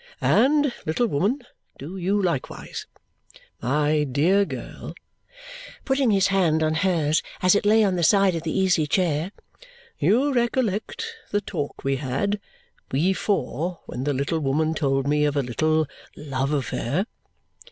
And, little woman, do you likewise. My dear girl," putting his hand on hers as it lay on the side of the easy chair, "you recollect the talk we had, we four when the little woman told me of a little love affair?"